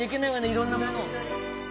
いろんなものを。